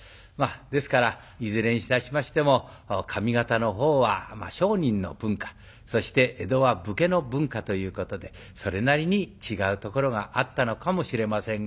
ですからいずれにいたしましても上方の方は商人の文化そして江戸は武家の文化ということでそれなりに違うところがあったのかもしれませんが。